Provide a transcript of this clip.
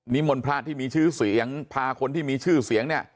มนต์พระที่มีชื่อเสียงพาคนที่มีชื่อเสียงเนี่ย